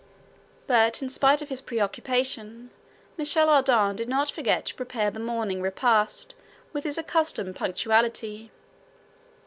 But in spite of his preoccupation, Michel Ardan did not forget to prepare the morning repast with his accustomed punctuality.